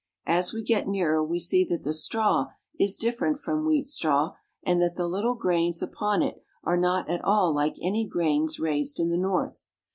As we get nearer we see that the straw is different from wheat straw, and that the little grains upon it are not at all like any grains raised in the North.